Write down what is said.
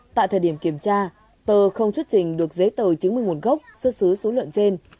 tại thời điểm kiểm tra tờ không xuất trình được giấy tờ chứng minh nguồn gốc xuất xứ số lợn trên